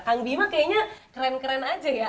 kang bima kayaknya keren keren aja ya